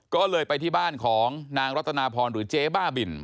ก็เลยไปที่บ้านของนางรัตนาพรหรือเจ๊บ้าบิน